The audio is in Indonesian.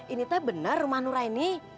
ini teh benar rumah nuraini